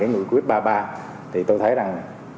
cái ngụy quyết ba mươi ba thì tôi thấy rằng